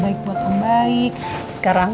semoga sangat terbaik untuk randa